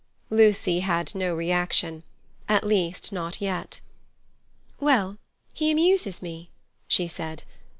Lucy had no reaction—at least, not yet. "Well, he amuses me," she said.